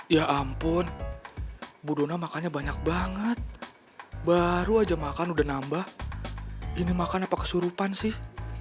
ya ampun bu dona makannya banyak banget baru aja makan udah nambah ini makan apa kesurupan sih